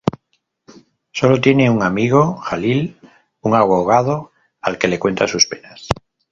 Sólo tiene un amigo: Jalil, un abogado al que le cuenta sus penas.